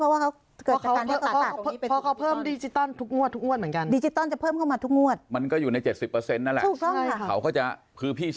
และก็จะเพิ่มขึ้นได้เรื่อยเพราะว่าเขาเกิดแต่การให้เปิดตัดตัด